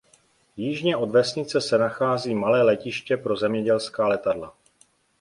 Jižně od vesnice se nachází malé letiště pro zemědělská letadla.